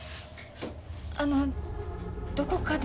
あのどこかで？